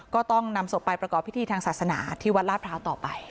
ก็ต้องนำศพไปประกอบพิธีทางศาสนาที่วัดลาดพร้าวต่อไป